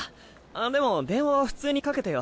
でも電話は普通に掛けてよ